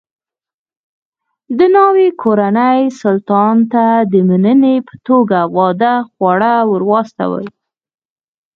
د ناوې کورنۍ سلطان ته د مننې په توګه واده خواړه ور واستول.